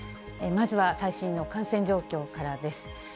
まずは最新の感染状況からです。